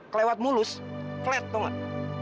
kelewat mulus flat tau nggak